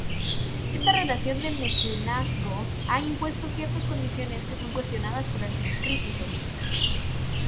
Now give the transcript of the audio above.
Esta relación de mecenazgo ha impuesto ciertas condiciones que son cuestionadas por algunos críticos.